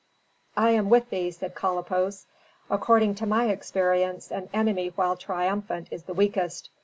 "I am with thee!" said Kalippos. "According to my experience, an enemy while triumphant is the weakest.